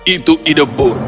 itu ide buruk